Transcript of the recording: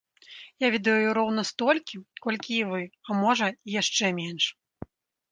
Я ведаю роўна столькі, колькі і вы, а можа, і яшчэ менш.